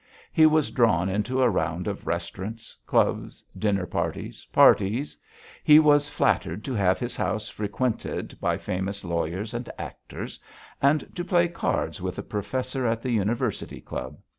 He was drawn into a round of restaurants, clubs, dinner parties, parties, and he was flattered to have his house frequented by famous lawyers and actors, and to play cards with a professor at the University club.